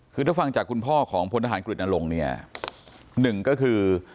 คือถ้าฟังจากคุณพ่อของพลทหารกฤตนรงค์เนี่ยหนึ่งก็คือ